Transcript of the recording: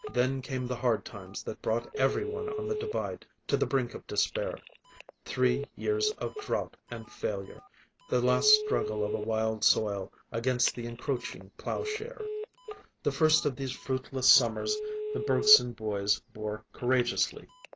Then came the hard times that brought every one on the Divide to the brink of despair; three years of drouth and failure, the last struggle of a wild soil against the encroaching plowshare. The first of these fruitless summers the Bergson boys bore courageously.